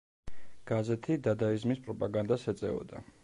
გაზეთი დადაიზმის პროპაგანდას ეწეოდა.